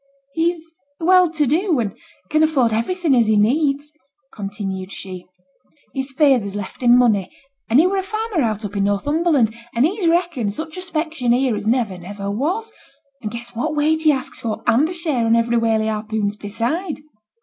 'He's well to do, and can afford everything as he needs,' continued she. 'His feyther's left him money, and he were a farmer out up in Northumberland, and he's reckoned such a specksioneer as never, never was, and gets what wage he asks for and a share on every whale he harpoons beside.'